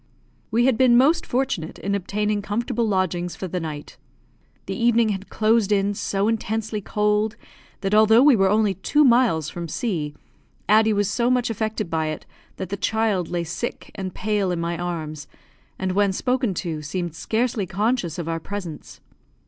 We had been most fortunate in obtaining comfortable lodgings for the night. The evening had closed in so intensely cold that although we were only two miles from C , Addie was so much affected by it that the child lay sick and pale in my arms, and, when spoken to, seemed scarcely conscious of our presence.